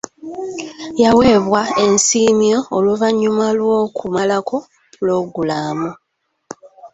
Yaweebwa ensiimyo oluvannyuma lw'okumalako pulogulaamu.